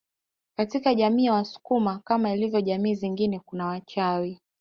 Katika jamii ya wasukuma kama ilivyo jamii zingine kuna wachawi